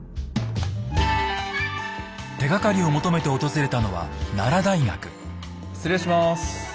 手がかりを求めて訪れたのは失礼します。